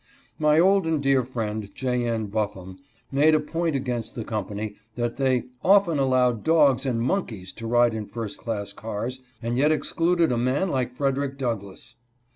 My old and dear friend J. N. Buffum made a point against the company that they " often allowed dogs and monkeys to ride in first class cars, and yet excluded a man like Frederick Douglass